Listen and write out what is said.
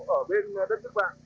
ở bên đất nước bạn